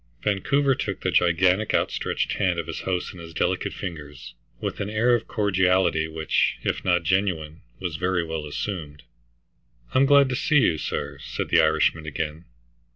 Vancouver took the gigantic outstretched hand of his host in his delicate fingers, with an air of cordiality which, if not genuine, was very well assumed. "I'm glad to see you, sir," said the Irishman again.